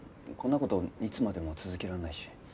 こんな事いつまでも続けられないし。